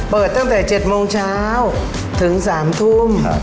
เปิดตั้งแต่๗โมงเช้าถึง๓ทุ่ม